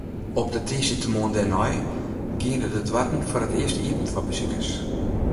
Op de tiisdeitemoarn dêrnei giene de doarren foar it earst iepen foar besikers.